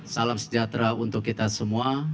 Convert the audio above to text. salam sejahtera untuk kita semua